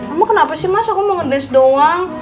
emang kenapa sih mas aku mau ngedbase doang